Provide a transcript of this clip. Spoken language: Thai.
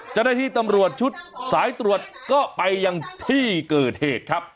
จรภิตำรวจชุดสายตรวจก็ไปยังที่เกิดเหตุครับ